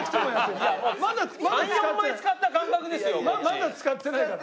まだ使ってないから。